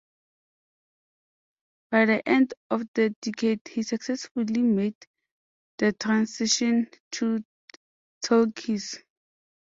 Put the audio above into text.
By the end of the decade he successfully made the transition to talkies.